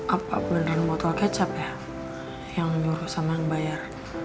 apapun dan botol kecap ya yang nyuruh sama yang bayar